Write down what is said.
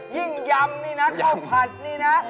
ยิ่งยำนี่นะข้อผัดนี่นะ